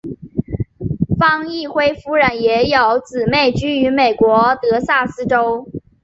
方奕辉夫人也有姊妹居于美国德萨斯州。